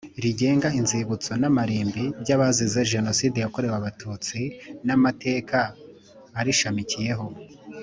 rigenga inzibutso n amarimbi by abazize Jenoside yakorewe Abatutsi n Amateka arishamikiyeho